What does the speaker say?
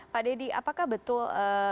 pak deddy apakah betul